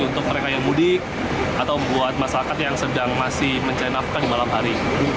untuk mereka yang mudik atau buat masyarakat yang sedang masih mencari nafkah di malam hari